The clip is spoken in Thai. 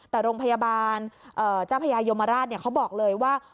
แต่โรงพยาบาลเจ้าพญายมราชเขาบอกเลยว่า